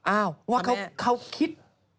อ้าวว่าเขาคิด